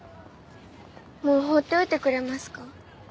もう放っておいてくれますか？